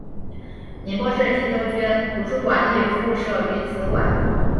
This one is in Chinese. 宁波市鄞州区图书馆亦附设于此馆。